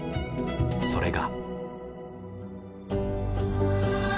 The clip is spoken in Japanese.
それが。